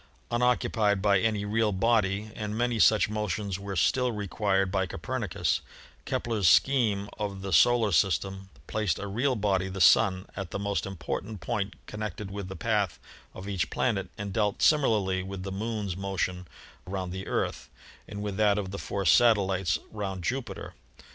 unoccupied by any real body, and many such motions were still required by Copernicus, Kepler's scheme of the solar system placed a real body, the Sun, at the most important point connected with the path of each planet and dealt similarly with the Moon's motion round the Earth and with that of the four satellites round Jupi ter.